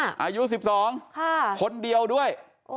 อายุ๑๒คนเดียวด้วย